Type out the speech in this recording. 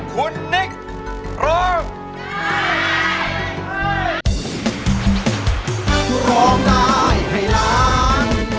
เพลงที่หนึ่งนะครับมูลค่า๕๐๐๐บาท